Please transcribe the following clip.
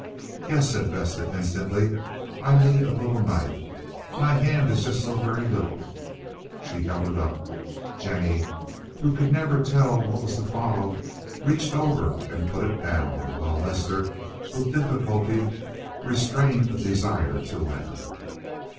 "Yes," said Vesta instantly. "I need a little knife. My hand is just so very little." She held it up. Jennie, who never could tell what was to follow, reached over and put it down, while Lester with difficulty restrained a desire to laugh.